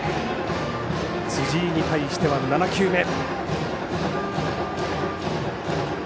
辻井に対しては７球目。